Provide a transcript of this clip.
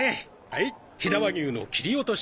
はい飛騨和牛の切り落とし。